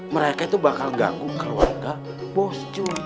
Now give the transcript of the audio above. mereka itu bakal ganggu keluarga bos cu